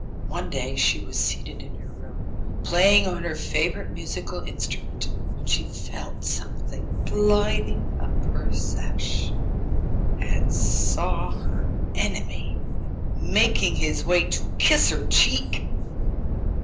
One day she was seated in her room, playing on her favourite musical instrument, when she felt something gliding up her sash, and saw her enemy making his way to kiss her cheek.